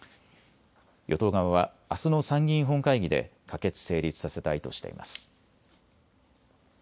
与党側は、あすの参議院本会議で可決・成立させたいとしています。